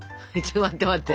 待って待って。